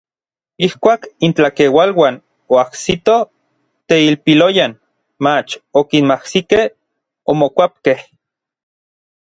Ijkuak intlakeualuan oajsitoj teilpiloyan, mach okinmajsikej, omokuapkej.